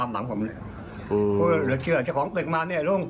หรือเชื่อเจ้าของเต็กมาเนี่ย